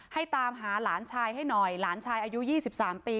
ตามหาหลานชายให้หน่อยหลานชายอายุ๒๓ปี